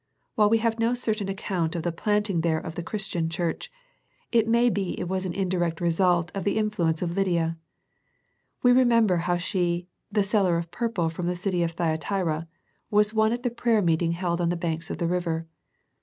While we have no certain account of the planting there of the Christian Church, it may be it was an indirect result of the in fluence of Lydia. We remember how she, the " seller of purple of the city of Thyatira," was one at the prayer meeting held on the banks of the river.